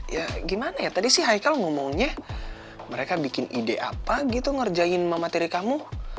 ya gimana ya tadi si haikal ngomongnya mereka bikin ide apa gitu ngerjain mama tiri kamu